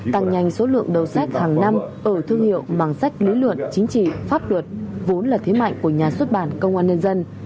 tăng nhanh số lượng đầu sách hàng năm ở thương hiệu bằng sách lý luận chính trị pháp luật vốn là thế mạnh của nhà xuất bản công an nhân dân